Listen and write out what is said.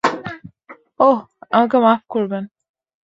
অহ, আমাকে মাফ করবেন।